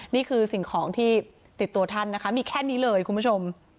นี่คือสิ่งของที่ติดตัวท่านนะคะมีแค่นี้เลยคุณผู้ชม